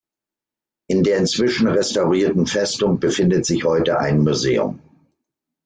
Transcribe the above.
In der inzwischen restaurierten Festung befindet sich heute ein Museum.